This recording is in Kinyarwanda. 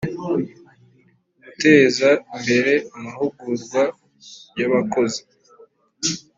guteza imbere amahugurwa y abakozi